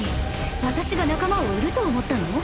私が仲間を売ると思ったの？